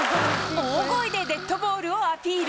大声でデッドボールをアピール。